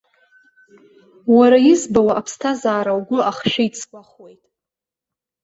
Уара избауа аԥсҭазаара угәы ахшәеит сгәахәуеит.